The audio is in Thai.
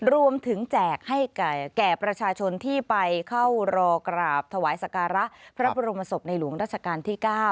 แจกให้แก่ประชาชนที่ไปเข้ารอกราบถวายสการะพระบรมศพในหลวงราชการที่๙